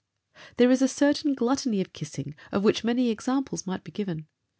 There is a certain gluttony of kissing of which many examples might be given.